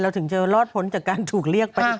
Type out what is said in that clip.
ถึงจะรอดพ้นจากการถูกเรียกไป